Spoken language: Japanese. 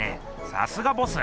さすがボス。